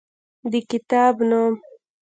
د کتاب نوم: